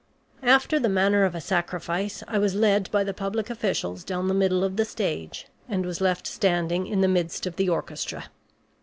After the manner of a sacrifice I was led by the public officials down the middle of the stage, and was left standing in the midst of the orchestra.